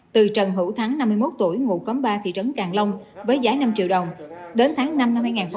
từ trần hữu thắng năm mươi một tuổi ngụ khóm ba thị trấn càng long với giá năm triệu đồng đến tháng năm năm hai nghìn hai mươi ba